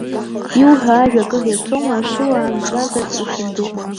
Иуҳәо ажәа акыр иаԥсоума, ашыла амҵәазар ушәындыҟәра.